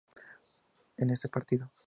En ese partido.